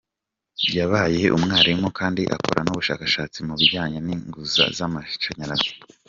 Yabaye umwarimu kandi akora n’ubushakashatsi mu bijanye n’inguzu z’amashanyarazi.